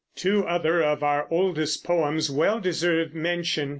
Two other of our oldest poems well deserve mention.